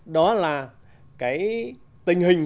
đó là cái tình hình